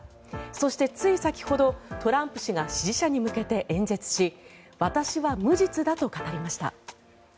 そして、つい先ほどトランプ氏が支持者に向けて演説し私は無実だと語りました。